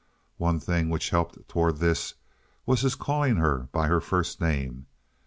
One thing which helped toward this was his calling her by her first name.